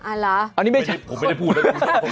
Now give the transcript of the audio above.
อ่าล่ะผมไม่ได้พูดนะครับ